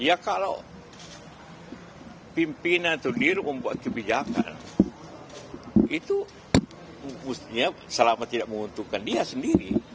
ya kalau pimpinan atau dirut membuat kebijakan itu mestinya selama tidak menguntungkan dia sendiri